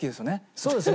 そうですね。